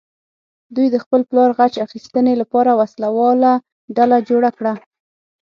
دوی د خپل پلار غچ اخیستنې لپاره وسله واله ډله جوړه کړه.